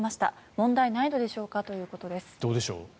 問題ないのでしょうかということです。